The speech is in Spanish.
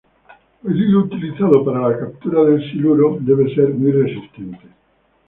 El hilo utilizado para la captura del siluro debe ser muy resistente.